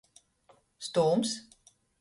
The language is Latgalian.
Stūms.